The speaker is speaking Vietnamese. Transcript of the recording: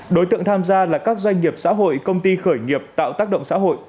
đối tượng tham gia là các doanh nghiệp xã hội công ty khởi nghiệp tạo tác động xã hội